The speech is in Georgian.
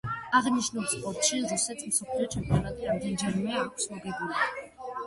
აღნიშნულ სპორტში რუსეთს მსოფლიო ჩემპიონატი რამდენჯერმე აქვს მოგებული.